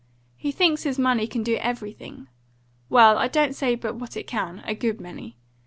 He thinks his money can do everything. Well, I don't say but what it can, a good many.